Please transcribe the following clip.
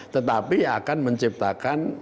tetapi akan menciptakan